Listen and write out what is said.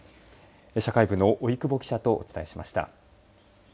社会部の老久保記者とお伝えしました。